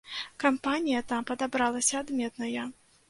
Кампанія там падабралася адметная.